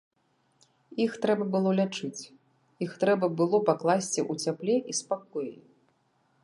Іх трэба было лячыць, іх трэба было пакласці ў цяпле і спакоі.